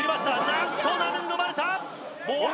なんと波にのまれた！